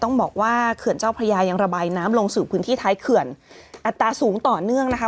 ต้องบอกว่าเขื่อนเจ้าพระยายังระบายน้ำลงสู่พื้นที่ท้ายเขื่อนอัตราสูงต่อเนื่องนะคะ